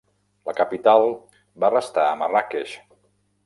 La capital va restar a Marràqueix.